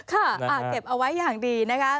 เก็บเอาไว้อย่างดีนะคะ